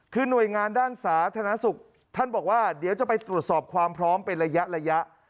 คือหน่วยงานด้านสาธารณสุขท่านบอกว่าเดี๋ยวจะไปตรวจสอบความพร้อมเป็นระยะ